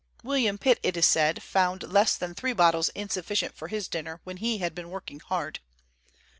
William Pitt, it is said, found less than three bottles insufficient for his dinner, when he had been working hard.